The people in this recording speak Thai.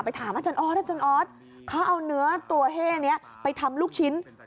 ไปถามอาจารย์ออสเขาเอาเนื้อตัวเหี้ยนี้ไปทำลูกชิ้น